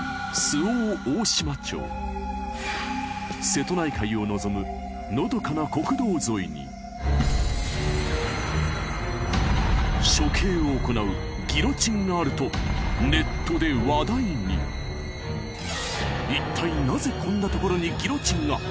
瀬戸内海を望むのどかな国道沿いに処刑を行うギロチンがあるとネットで話題に一体なぜこんなところにギロチンが？